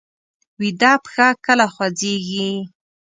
ویده پښه کله خوځېږي